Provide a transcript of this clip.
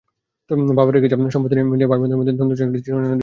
বাবার রেখে যাওয়া সম্পত্তি নিয়ে ভাইবোনদের মধ্যে দ্বন্দ্ব যেন একটি চিরচেনা দৃশ্য।